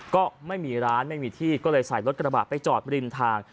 ก็ไม่มีร้านไม่มีที่ก็เลยใส่รถกระบะไปจอดริมทาง